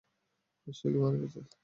সে কি মারা গেছে?